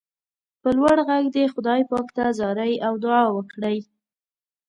په لوړ غږ دې خدای پاک ته زارۍ او دعا وکړئ.